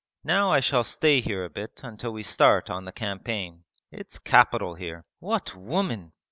Now I shall stay here a bit until we start on the campaign. It's capital here. What women!